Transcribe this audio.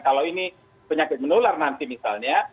kalau ini penyakit menular nanti misalnya